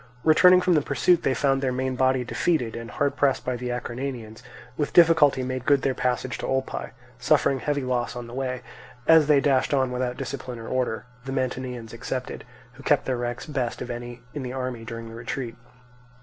Returning from the pursuit, they found their main body defeated; and hard pressed by the Acarnanians, with difficulty made good their passage to Olpae, suffering heavy loss on the way, as they dashed on without discipline or order, the Mantineans excepted, who kept their ranks best of any in the army during the retreat.